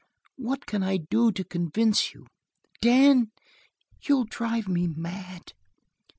What can I do to convince you? Dan, you'll drive me mad!"